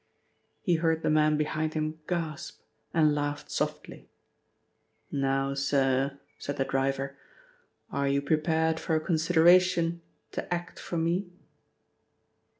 He heard the man behind him gasp, and laughed softly. "Now, sir," said the driver, "are you prepared for a consideration to act for me?"